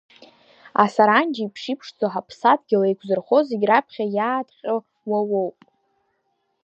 Асаранџь еиԥш иԥшӡо ҳаԥсадгьыл еиқәзырхо, зегь раԥхьа иааҭҟьо, уа уоуп!